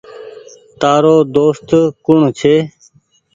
تآرو دوست ڪوڻ ڇي۔